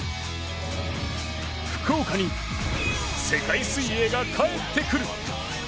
福岡に世界水泳が帰ってくる。